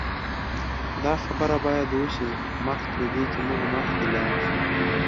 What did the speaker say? دا خبره باید وشي مخکې له دې چې موږ مخکې لاړ شو